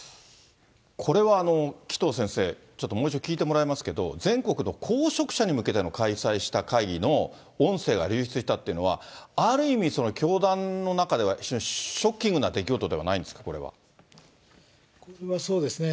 これは紀藤先生、ちょっともう一度聞いてもらいますけど、全国の公職者に向けての開催した会議の音声が流出したっていうのは、ある意味、教団の中では非常にショッキングな出来事ではないそうですね。